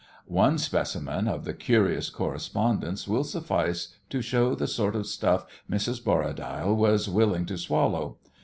One specimen of the curious correspondence will suffice to show the sort of stuff Mrs. Borradaile was willing to swallow.